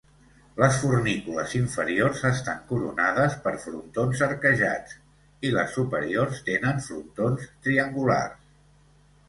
Les fornícules inferiors estan coronades per frontons arquejats i les superiors tenen frontons triangulars.